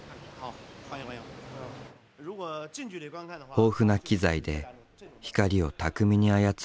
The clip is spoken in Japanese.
豊富な機材で光を巧みに操る韓。